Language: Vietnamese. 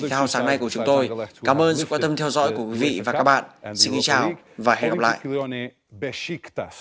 cảm ơn các bạn đã theo dõi và hẹn gặp lại